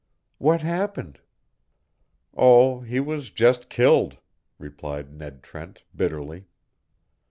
"What happened?" "Oh, he was just killed," replied Ned Trent, bitterly.